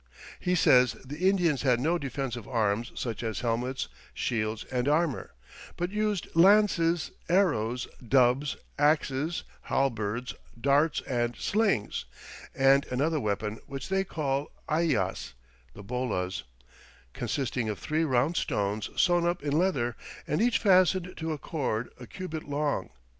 He says the Indians had no defensive arms such as helmets, shields, and armor, but used "lances, arrows, dubs, axes, halberds, darts, and slings, and another weapon which they call ayllas (the bolas), consisting of three round stones sewn up in leather, and each fastened to a cord a cubit long.